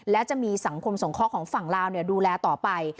และจะมีสังคมสงเคราะห์ของฝั่งลาวดูแลต่อไป